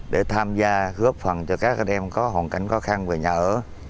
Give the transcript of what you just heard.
để tham gia góp phần cho các em có hoàn cảnh khó khăn về nhà ở